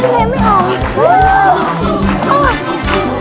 ตอนนี้อาจจะไม่ออก